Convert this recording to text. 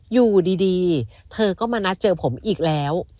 อยู่ดีเธอก็มานัดเจอผมอีกแล้ว